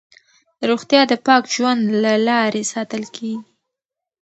روغتیا د پاک ژوند له لارې ساتل کېږي.